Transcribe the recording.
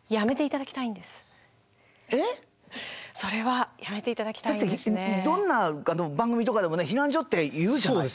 だってどんな番組とかでも避難所って言うじゃない？